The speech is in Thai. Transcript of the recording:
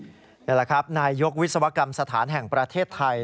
นี่แหละครับนายยกวิศวกรรมสถานแห่งประเทศไทย